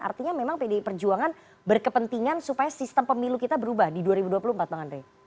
artinya memang pdi perjuangan berkepentingan supaya sistem pemilu kita berubah di dua ribu dua puluh empat bang andre